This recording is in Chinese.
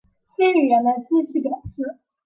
C 语言的机器表示